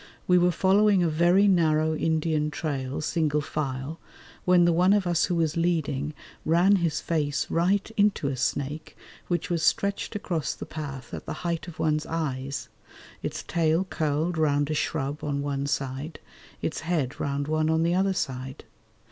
We were following a very narrow Indian trail single file, when the one of us who was leading ran his face right into a snake which was stretched across the path at the height of one's eyes, its tail curled round a shrub on one side, its head round one on the other side.